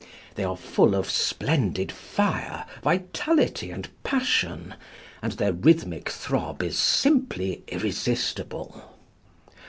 They are full of splendid fire, vitality and passion, and their rhythmic throb is simply irresistible.